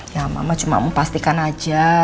ya mama cuma mau pastikan aja